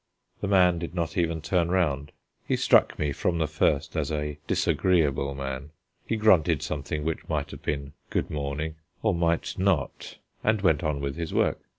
The man did not even turn round. He struck me from the first as a disagreeable man. He grunted something which might have been "Good morning," or might not, and went on with his work.